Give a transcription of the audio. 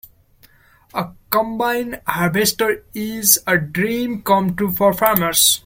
A combine harvester is a dream come true for farmers.